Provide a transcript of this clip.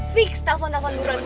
fiks telfon telfon buruan buruan